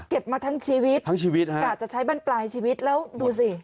เก็บมาทั้งชีวิตอาจจะใช้บ้านปลายชีวิตแล้วดูสิ